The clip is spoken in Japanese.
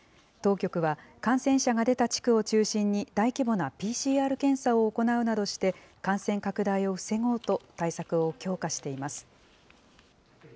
当局は、感染者が出た地区を中心に、大規模なＰＣＲ検査を行うなどして、感染拡大を防ごうと、対策を強化しています。